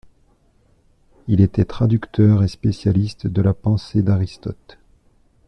Il était traducteur et spécialiste de la pensée d'Aristote.